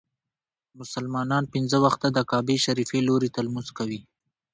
مسلمانان پنځه وخته د کعبې شريفي لوري ته لمونځ کوي.